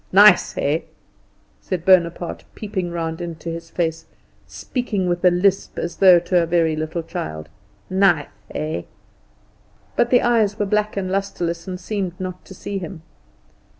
"Nice, eh?" said Bonaparte, peeping round into his face, speaking with a lisp, as though to a very little child. "Nith, eh?" But the eyes were black and lustreless, and seemed not to see him.